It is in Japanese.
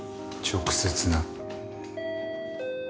直接な。